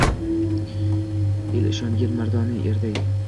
El ishongan mardona erday.